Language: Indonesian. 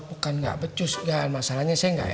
bukan gak becus masalahnya saya gak becus